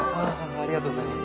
ありがとうございます！